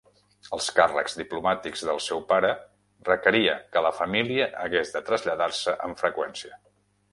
Els càrrecs diplomàtics del seu pare requeria que la família hagués de traslladar-se amb freqüència.